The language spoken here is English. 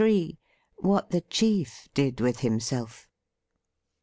WHAT THE CHIEF DID WITH HIMSELF.